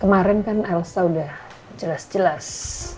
kemarin kan elsa sudah jelas jelas